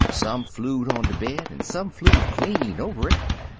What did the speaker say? Some flew'd on de bed, an' some flew'd clean over it.